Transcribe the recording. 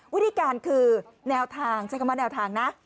วิธีการคือแนวทางใช้คำว่าแนวทางนะ